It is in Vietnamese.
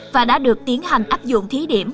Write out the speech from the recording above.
và đã được tiến hành áp dụng thí điểm